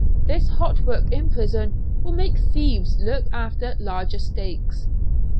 This hot work in prison will make thieves look after larger stakes."